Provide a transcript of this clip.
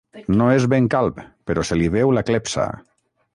No és ben calb, però se li veu la clepsa.